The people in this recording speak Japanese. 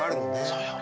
そうよ。